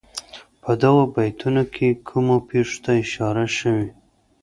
په دغو بیتونو کې کومو پېښو ته اشاره شوې.